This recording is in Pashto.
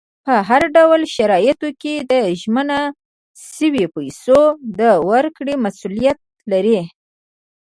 په هر ډول شرایطو کې د ژمنه شویو پیسو د ورکړې مسولیت لري.